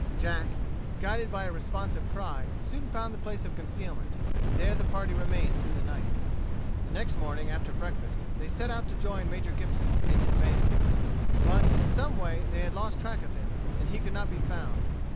Jack, guided by a responsive cry, soon found the place of concealment, and there the party remained through the night. The next morning after breakfast they set out to join Major Gibson and his band; but, in some way, they had lost track of him, and he could not be found.